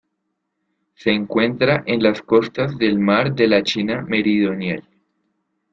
Se encuentra en las costas del Mar de la China Meridional.